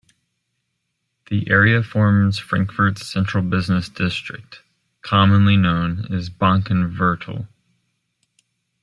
The area forms Frankfurt's central business district, commonly known as Bankenviertel.